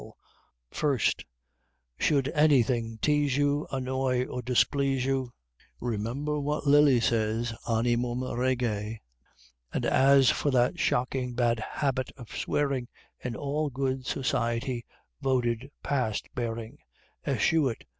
_ Should anything tease you, Annoy, or displease you, Remember what Lilly says, "Animum rege!" And as for that shocking bad habit of swearing, In all good society voted past bearing, Eschew it!